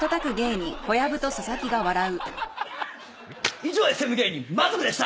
以上ＳＭ芸人魔族でした。